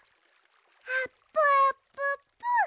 あっぷあっぷっぷ！